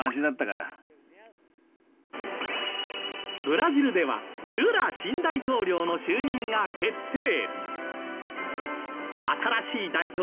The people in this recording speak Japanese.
ブラジルではルラ新大統領の就任が決定。